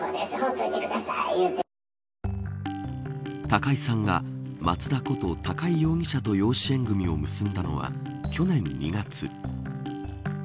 高井さんが松田こと高井容疑者と養子縁組を結んだのは去年２月。